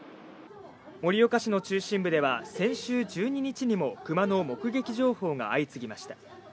盛岡市の中心部では先週１２日にもクマの目撃情報が相次ぎました。